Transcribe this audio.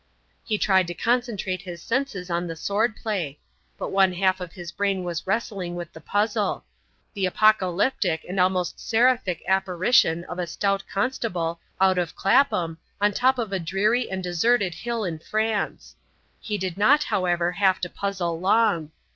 He tried to concentrate his senses on the sword play; but one half of his brain was wrestling with the puzzle; the apocalyptic and almost seraphic apparition of a stout constable out of Clapham on top of a dreary and deserted hill in France. He did not, however, have to puzzle long.